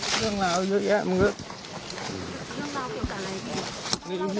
เรื่องราวเกี่ยวของอะไร